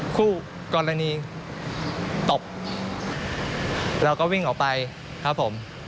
คู่กรณีตบแล้วก็วิ่งออกไปครับผม